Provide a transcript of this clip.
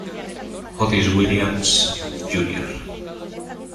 Otis Williams, Jr.